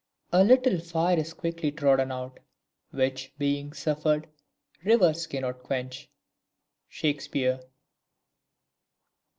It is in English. "A little fire is quickly trodden out, Which, being suffered, rivers cannot quench." SHAKESPEARE.